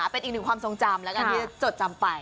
เป็นอีกหนึ่งความทรงจำแล้วกันที่จะจดจำไป